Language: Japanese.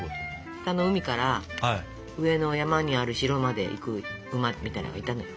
下の海から上の山にある城まで行く馬みたいなのがいたのよ。